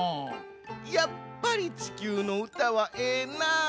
やっぱり地球のうたはええなあ。